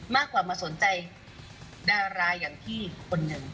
มากกว่ามาสนใจดาราอย่างพี่คนหนึ่ง